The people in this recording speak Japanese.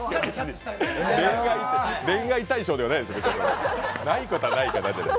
恋愛対象ではないですよ、別に。